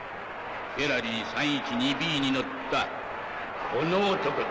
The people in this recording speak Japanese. フェラリー３１２Ｂに乗ったこの男だ。